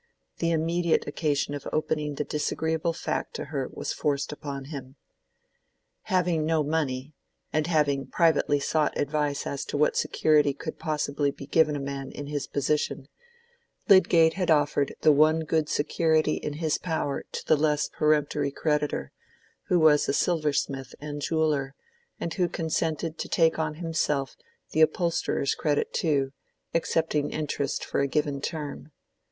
The immediate occasion of opening the disagreeable fact to her was forced upon him. Having no money, and having privately sought advice as to what security could possibly be given by a man in his position, Lydgate had offered the one good security in his power to the less peremptory creditor, who was a silversmith and jeweller, and who consented to take on himself the upholsterer's credit also, accepting interest for a given term.